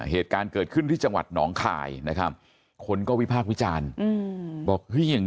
เหตุการณ์เกิดขึ้นที่จังหวัดหนองข่ายนะครับคนก็วิพากษ์วิจารณ์